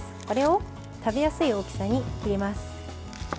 これを食べやすい大きさに切ります。